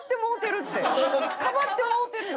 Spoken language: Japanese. かばってもうてるよ。